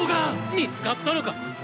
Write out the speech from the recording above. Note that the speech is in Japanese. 見つかったのか！？